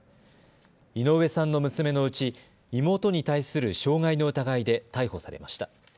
井上さんの娘のうち妹に対する傷害の疑いで逮捕されました。